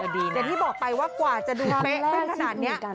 เดี๋ยวที่บอกไปว่ากว่าจะดูเป๊ะขนาดนี้